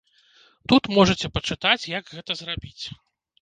Тут можаце пачытаць, як гэта зрабіць.